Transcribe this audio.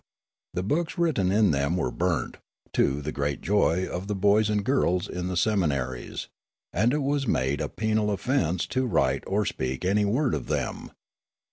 The books written in them were burnt, — to the great joy of the boys and girls in the seminaries, — and it was made a penal offence to write or speak any word of them.